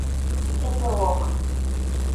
Эпилог